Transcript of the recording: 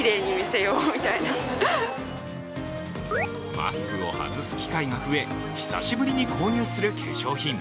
マスクを外す機会が増え久しぶりに購入する化粧品。